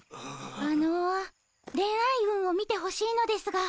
あの恋愛運を見てほしいのですが。